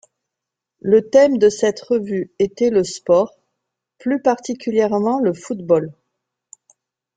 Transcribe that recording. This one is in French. Le thème de cette revue était le sport, plus particulièrement le football.